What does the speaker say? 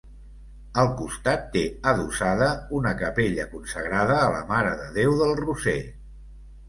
Al costat té adossada una capella consagrada a la Mare de Déu del Roser.